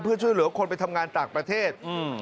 เพื่อช่วยเหลือคนไปทำงานต่างประเทศ